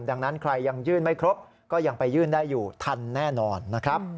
ดังนั้นใครยังยื่นไม่ครบก็ยังไปยื่นได้อยู่ทันแน่นอนนะครับ